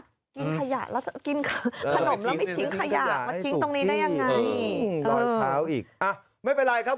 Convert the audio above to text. กินขยะแล้วกินขนมแล้วไม่ทิ้งขยะเดี๋ยวทิ้งตรงนี้ได้ยังไง